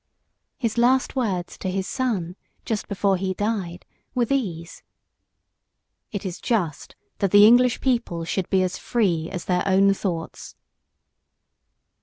His last words to his son, just before he died, were these "It is just that the English people should be as free as their own thoughts."